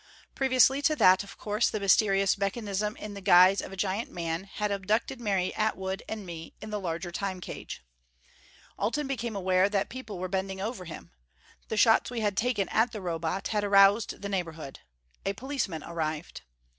Previously to that, of course, the mysterious mechanism in the guise of a giant man had abducted Mary Atwood and me in the larger Time cage. Alten became aware that people were bending over him. The shots we had taken at the Robot had aroused the neighborhood. A policeman arrived.